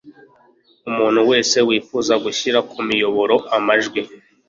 umuntu wese wifuza gushyira ku miyoboro amajwi